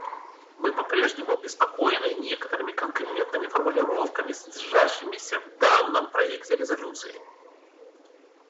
Мы попрежнему обеспокоены некоторыми конкретными формулировками, содержащимися в данном проекте резолюции.